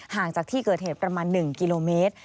ห่างจากที่เกิดเหตุประมาณ๑กิโลเมตร